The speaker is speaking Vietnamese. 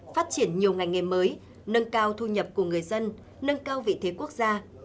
phát triển nhiều ngành nghề mới nâng cao thu nhập của người dân nâng cao vị thế quốc gia